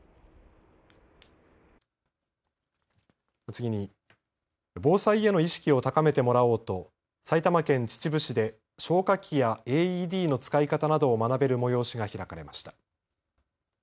次に、防災への意識を高めてもらおうと、埼玉県秩父市で、消火器やＡＥＤの使い方などを学べる催しが開かれました。